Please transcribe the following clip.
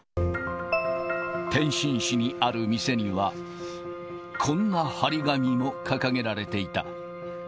天津市にある店には、こんな貼り紙も掲げられていた。